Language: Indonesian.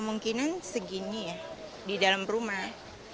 kemungkinan segini ya di dalam rumah